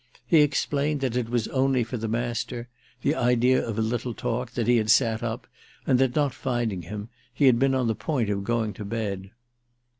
He explained that it was only for the Master—the idea of a little talk—that he had sat up, and that, not finding him, he had been on the point of going to bed.